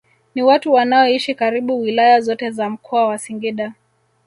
Ni watu wanaoishi karibu wilaya zote za mkoa wa Singida